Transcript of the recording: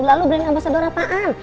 lalu beri nama sadur apaan